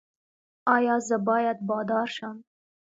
ایا زه باید بادار شم؟